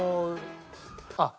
あっ！